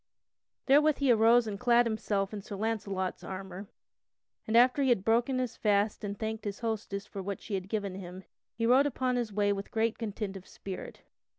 Therewith he arose and clad himself in Sir Launcelot's armor, and after he had broken his fast he thanked his hostess for what she had given him, and rode upon his way with great content of spirit.